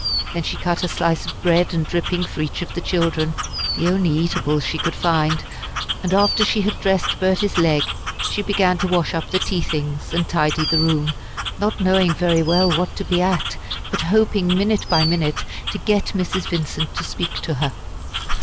Then she cut a slice of bread and dripping for each of the children the only eatables she could find and after she had dressed Bertie's leg she began to wash up the tea things and tidy the room, not knowing very well what to be at, but hoping minute by minute to get Mrs. Vincent to speak to her.